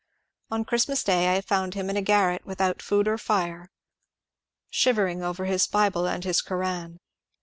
On Christmas day I found him in a garret without food or fire, shivering over his "ION'S" CARTOON 393 Bible and his Koran.